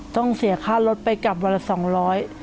ต้องเสียค่ารถไปกลับวันละ๒๐๐